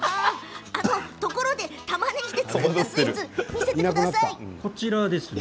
ところで、たまねぎを使ったスイーツ、見せていただけますか。